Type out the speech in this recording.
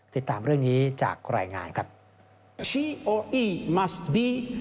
ติดตามเรื่องนี้จากรายงานครับ